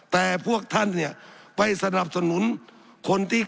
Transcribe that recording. สับขาหลอกกันไปสับขาหลอกกันไป